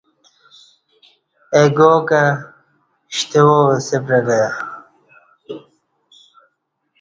اہ گا کں ݜتوا وسہ پعلہ ای